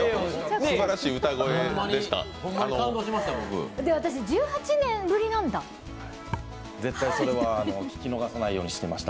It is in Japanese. すばらしい歌声でした。